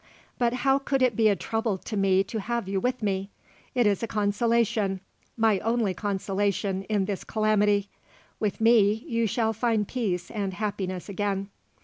But how could it be a trouble to me to have you with me? It is a consolation my only consolation in this calamity. With me you shall find peace and happiness again."